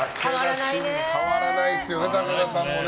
変わらないですね、武田さん。